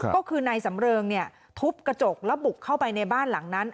ก็คือนายสำเริงทุบกระจกแล้วบุกเข้าไปในบ้านหลังนั้น